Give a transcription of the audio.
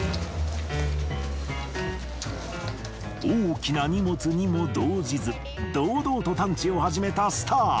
大きな荷物にも動じず堂々と探知を始めたスター。